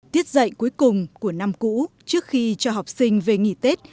tiết dạy cuối cùng của năm cũ trước khi cho học sinh về nghỉ tết